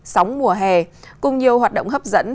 sóng mùa hè cùng nhiều hoạt động hấp dẫn